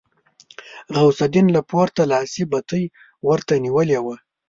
غوث الدين له پورته لاسي بتۍ ورته نيولې وه.